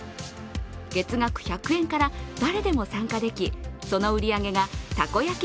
月額１００円から誰でも参加できその売り上げがたこ焼き